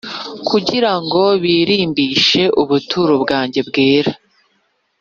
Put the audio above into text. kugira ngo birimbishe ubuturo bwanjye bwera